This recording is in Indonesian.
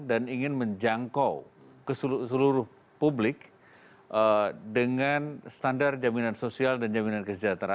dan ingin menjangkau ke seluruh publik